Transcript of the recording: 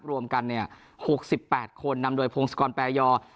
รวมกันเนี่ยหกสิบแปดคนนำโดยโพงสกรนแปรยอร์